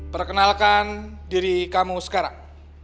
perkenalkan diri kamu sekarang